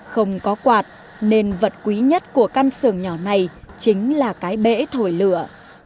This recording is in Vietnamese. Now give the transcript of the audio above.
không có quạt nên vật quý nhất của căn xưởng nhỏ này chính là cái bể thổi lửa